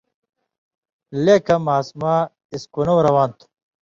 لیٙکھہۡ ماسُمہۡ اِسکُلؤں روان تھہ۔